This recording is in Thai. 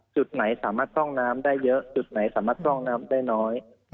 จุดไหนสามารถพร่องน้ำได้เยอะจุดไหนสามารถซ่องน้ำได้น้อย